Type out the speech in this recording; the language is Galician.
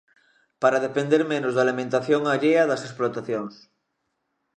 Para depender menos da alimentación allea das explotacións.